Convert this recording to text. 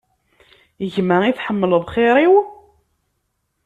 Gma i tḥemmleḍ axir-iw?